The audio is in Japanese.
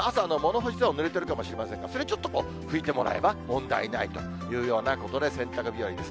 おぬれてるかもしれませんが、それちょっとこう、拭いてもらえば問題ないというようなことで、洗濯日和です。